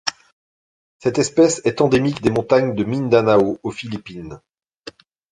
Cette espèce est endémique des montagnes de Mindanao aux Philippines.